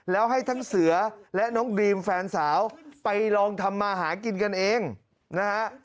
แล้วให้ทั้งเสือและน้องดรีมแฟนสาวไปลองทำมาหากินกันเองนะฮะ